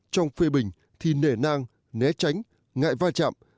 trong phê bình thì nể nang né tránh ngại va chạm